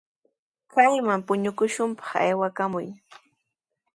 Kayman puñukushunpaq aywakamuy.